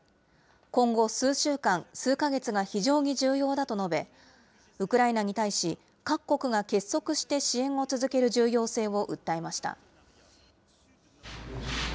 今後、数週間、数か月が非常に重要だと述べ、ウクライナに対し、各国が結束して支援を続ける重要性を訴えました。